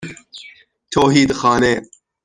توحیدخانه